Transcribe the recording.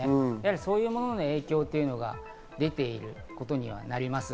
そういうものの影響というのが出ているということになります。